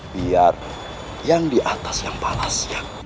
biar yang di atas yang panas